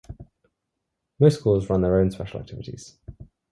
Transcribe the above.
Most schools run their own special activities.